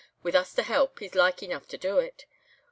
With us to help he's like enough to do it.